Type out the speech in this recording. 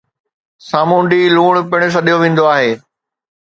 سامونڊي لوڻ پڻ سڏيو ويندو آهي